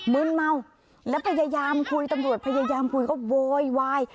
ืนเมาแล้วพยายามคุยตำรวจพยายามคุยก็โวยวาย